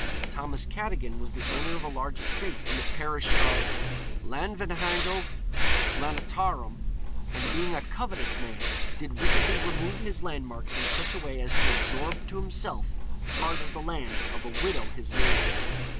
Thomas Cadogan was the owner of a large estate in the parish of Llanvihangel Llantarnam, and being a covetous man did wickedly remove his landmarks in such a way as to absorb to himself part of the land of a widow his neighbour.